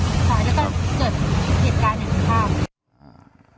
ถ้าแล้วก็เกิดเหตุการณ์อย่างุ่งข้าง